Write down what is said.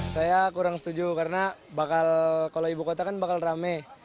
saya kurang setuju karena kalau ibu kota kan bakal rame